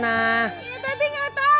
ya tati gak tau